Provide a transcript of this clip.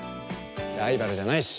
ライバルじゃないし。